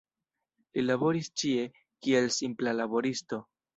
Li laboris ĉie, kiel simpla laboristo.